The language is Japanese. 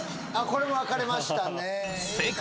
これも分かれましたね